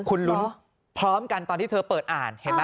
คุณลุ้นพร้อมกันตอนที่เธอเปิดอ่านเห็นไหม